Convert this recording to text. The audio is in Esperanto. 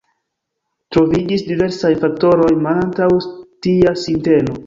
Troviĝis diversaj faktoroj malantaŭ tia sinteno.